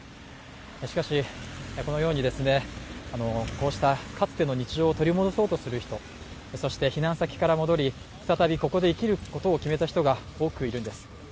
しかし、このようにかつての日常を取り戻そうとする人、そして避難先から戻り再びここで生きることを決めた人が多くいるんです。